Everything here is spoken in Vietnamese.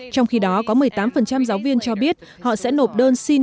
trong khi đó có một mươi tám giáo viên cho biết họ sẽ nộp đơn xin